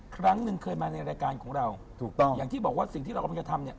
ครั้งหนึ่งเคยมาในรายการของเราถูกต้องอย่างที่บอกว่าสิ่งที่เรากำลังจะทำเนี่ย